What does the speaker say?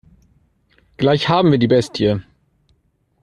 Gleich haben wir die Bestie.